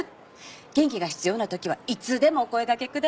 元気が必要なときはいつでもお声掛けください。